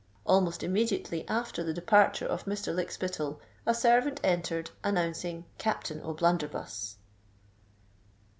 Almost immediately after the departure of Mr. Lykspitttal, a servant entered, announcing Captain O'Blunderbuss.